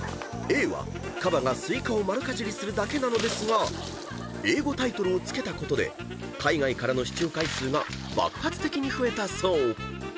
［Ａはカバがスイカを丸かじりするだけなのですが英語タイトルを付けたことで海外からの視聴回数が爆発的に増えたそう］